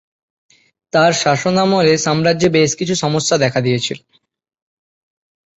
তার শাসনামলে সাম্রাজ্যে বেশ কিছু সমস্যা দেখা দিয়েছিল।